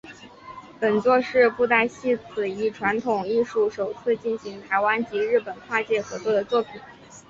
本作是布袋戏此一传统艺术首次进行台湾及日本跨界合作的作品。